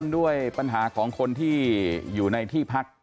ด้วยปัญหาของคนที่อยู่ในที่พัก